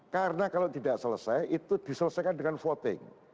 karena kalau tidak selesai itu diselesaikan dengan voting